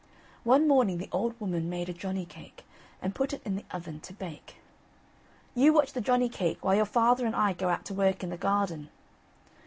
One morning the old woman made a Johnny cake, and put it in the oven to bake. "You watch the Johnny cake while your father and I go out to work in the garden."